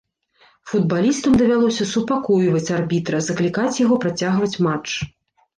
Футбалістам давялося супакойваць арбітра, заклікаць яго працягваць матч.